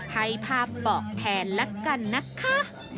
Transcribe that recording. ให้ภาพบอกแทนละกันนะคะ